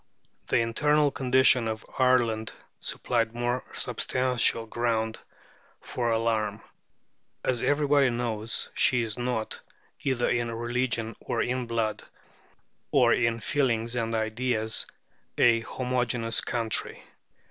The internal condition of Ireland supplied more substantial grounds for alarm. As everybody knows, she is not, either in religion or in blood, or in feelings and ideas, a homogeneous country.